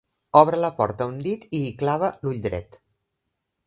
Obre la porta un dit i hi clava l'ull dret.